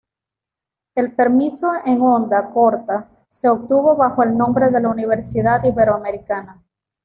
El permiso en onda corta se obtuvo bajo el nombre de la Universidad Iberoamericana.